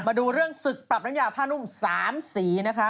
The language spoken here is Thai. มาดูเรื่องศึกปรับน้ำยาผ้านุ่ม๓สีนะคะ